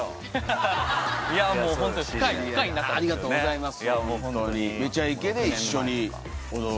ありがとうございます。